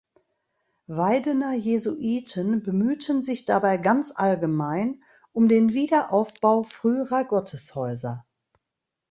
Weidener Jesuiten bemühten sich dabei ganz allgemein um den Wiederaufbau früherer Gotteshäuser.